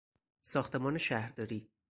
ساختمان شهرداری